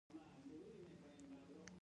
کله چې دغه نوی صنعت مارکیټونو ته ولېږل شو